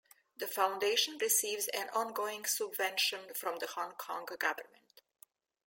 The foundation receives an ongoing subvention from the Hong Kong Government.